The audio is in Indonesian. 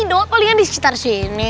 dong palingan di sekitar sini